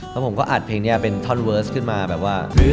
แล้วผมก็อัดเพลงนี้เป็นท่อนเวิร์สขึ้นมาแบบว่า